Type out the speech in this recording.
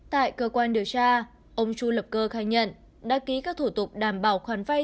tại cơ quan điều tra ông chu lập cơ khai nhận đã ký các thủ tục đảm bảo khoản vay